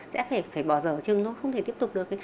sẽ phải bỏ giờ chừng nó không thể tiếp tục được